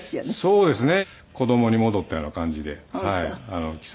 そうですね。